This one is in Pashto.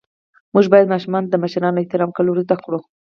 موږ باید ماشومانو ته د مشرانو احترام کول ور زده ڪړو.